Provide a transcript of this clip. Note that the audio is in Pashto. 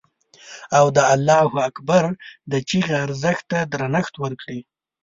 او د الله اکبر د چیغې ارزښت ته درنښت وکړي.